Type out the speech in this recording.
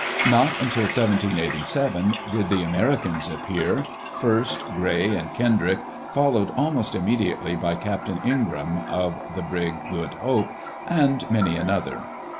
Not until 1787 did the Americans ai^ar — first Gray and Ken drick, followed almost immediately by Captain Ingraham, of the brig Good Hope, and many another.